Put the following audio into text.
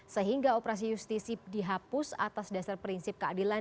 sehingga operasi justisip dihapus atas dasar prinsip keadilan